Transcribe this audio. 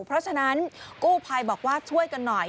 เพราะฉะนั้นกู้ภัยบอกว่าช่วยกันหน่อย